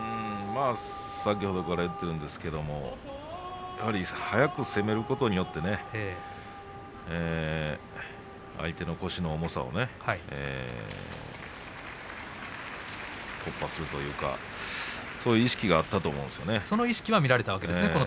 先ほどから言っているんですが速く攻めることによって相手の腰の重さを突破するというかそういう意識があったと思うんですね。